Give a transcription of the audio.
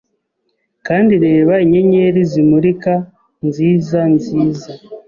Kandi reba inyenyeri zimurika nziza nziza